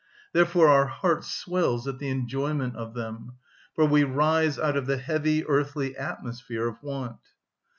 Therefore our heart swells at the enjoyment of them, for we rise out of the heavy earthly atmosphere of want.